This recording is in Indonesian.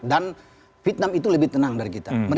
dan vietnam itu lebih tenang dari kita